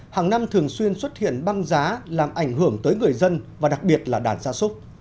hàng năm thường xuyên xuất hiện băng giá làm ảnh hưởng tới người dân và đặc biệt là đàn gia súc